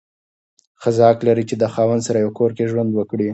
ښځه حق لري چې د خاوند سره یو کور کې ژوند وکړي.